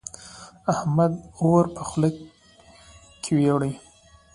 احمد اور په خوله کړې وړي.